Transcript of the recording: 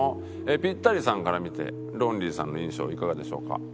ピッタリさんから見てロンリーさんの印象いかがでしょうか？